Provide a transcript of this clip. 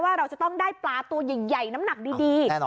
เราจะต้องได้ปลาตัวใหญ่น้ำหนักดี